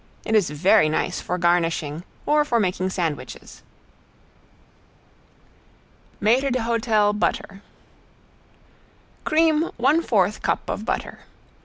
It is very nice for garnishing or for making sandwiches. ~MAITRE D'HOTEL BUTTER~ Cream one fourth cup of butter.